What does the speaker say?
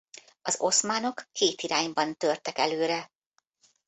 Az oszmánok két irányban törtek előre.